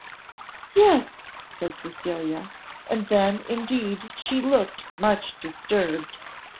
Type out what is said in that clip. "Yes," said Cecilia; and then indeed she looked much disturbed.